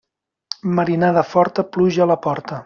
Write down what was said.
Marinada forta, pluja a la porta.